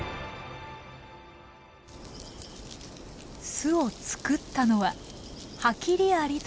巣を作ったのはハキリアリというアリ。